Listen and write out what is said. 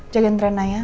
jagain rena ya